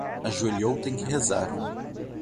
Ajoelhou tem que rezar